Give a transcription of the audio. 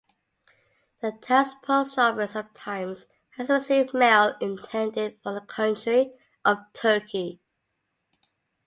The town's post office sometimes has received mail intended for the country of Turkey.